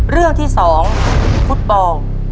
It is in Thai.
เรื่องที่สองฟุตบอง